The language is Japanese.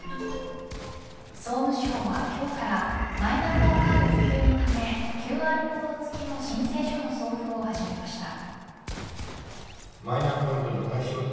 総務省は今日からマイナンバーカード普及のためＱＲコード付きの申請書の送付を始めました。